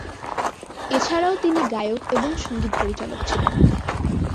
এছাড়াও তিনি গায়ক এবং সঙ্গীত পরিচালক ছিলেন।